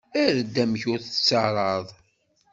Ԑreḍ amek ur tettarraḍ.